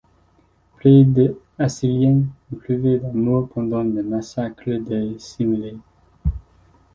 Près de assyriens ont trouvé la mort pendant le massacre de Simelé.